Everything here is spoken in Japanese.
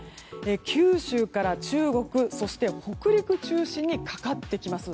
九州から中国、そして北陸中心にかかってきます。